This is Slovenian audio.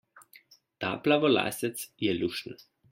Ta plavolasec je lušten.